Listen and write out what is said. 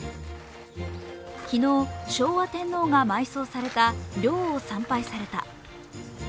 昨日、昭和天皇が埋葬された陵を参拝された。